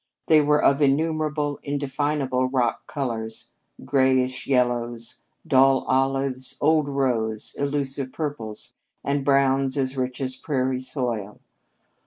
They were of innumerable, indefinable rock colors grayish yellows, dull olives, old rose, elusive purples, and browns as rich as prairie soil.